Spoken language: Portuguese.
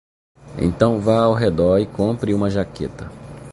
Então vá ao redor e compre uma jaqueta